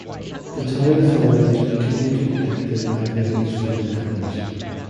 The town authorities were keen to protect their livelihoods from incomers.